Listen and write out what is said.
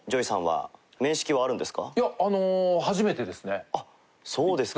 いやあの初めてですね。